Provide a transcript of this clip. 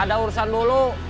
ada urusan dulu